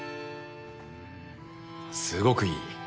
すごくいい。